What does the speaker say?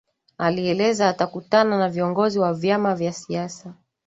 Alieleza atakutana na viongozi wa vyama vya siasa